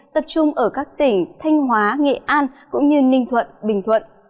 tập trung ở các tỉnh thanh hóa nghệ an cũng như ninh thuận bình thuận